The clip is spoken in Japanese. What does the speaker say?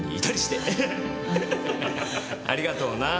ありがとうな。